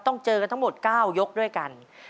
เจอกันทั้งหมด๙ยกด้วยกัน